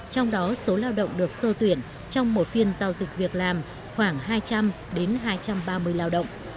trong đó số lao động được sơ tuyển trong một phiên giao dịch việc làm khoảng hai trăm linh hai trăm ba mươi lao động